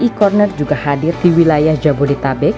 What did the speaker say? e corner juga hadir di wilayah jabodetabek